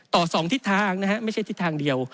ต่อ๒ทิศทางนะฮะไม่ใช่ทิศทางเดียว